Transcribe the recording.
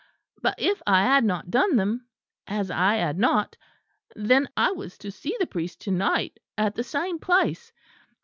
But if I had not done them as I had not, then I was to see the priest to night at the same place."